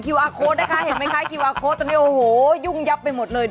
อาร์โค้ดนะคะเห็นไหมคะคิวอาร์โค้ดตอนนี้โอ้โหยุ่งยับไปหมดเลย